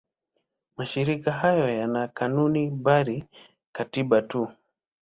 Mashirika hayo hayana kanuni bali katiba tu.